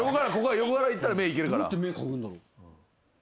横からいったら目いけるから。